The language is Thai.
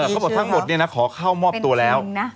เขาบอกทั้งหมดขอเข้ามอบตัวแล้ว